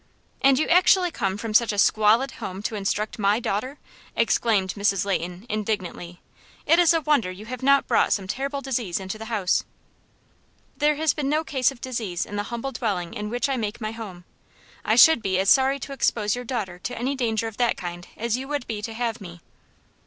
"And you actually come from such a squalid home to instruct my daughter!" exclaimed Mrs. Leighton, indignantly. "It is a wonder you have not brought some terrible disease into the house." "There has been no case of disease in the humble dwelling in which I make my home. I should be as sorry to expose your daughter to any danger of that kind as you would be to have me."